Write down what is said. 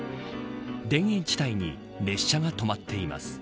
田園地帯に列車が止まっています。